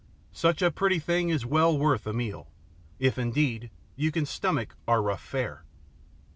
Such a pretty thing is well worth a meal if, indeed, you can stomach our rough fare.